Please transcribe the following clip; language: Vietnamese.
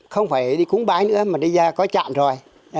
không phải đi cúng bái nữa mà đi ra có chạm rồi